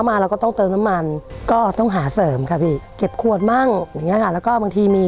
ไม่พอค่ะพี่